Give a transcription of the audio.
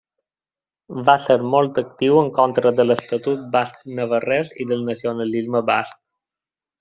Va ser molt actiu en contra de l'Estatut Basc-Navarrès i del nacionalisme basc.